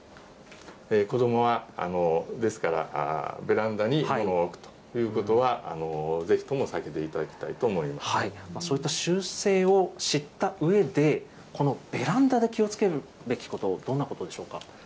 子どもは、ですからベランダにものを置くということは、ぜひともそういった習性を知ったうえで、このベランダで気をつけるべきこと、どんなことでしょうか。